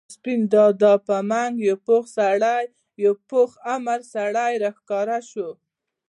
د سپين دادا په منګ یو پوخ عمر سړی راښکاره شو.